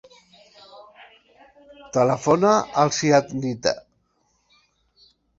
Telefona al Ziad Nita.